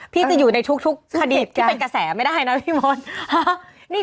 พี่จะอยู่ในทุกคดีที่เป็นกระแสไม่ได้นะพี่มนต์